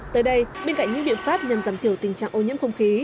tới đây bên cạnh những biện pháp nhằm giảm thiểu tình trạng ô nhiễm không khí